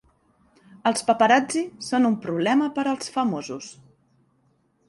Els paparazzi són un problema per als famosos.